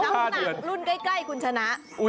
หนักรุ่นใกล้คุณชนะ